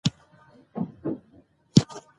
افغانستان د ګاز کوربه دی.